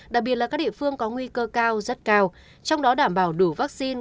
đặc biệt là các địa phương có nguy cơ cao rất cao trong đó đảm bảo đủ vaccine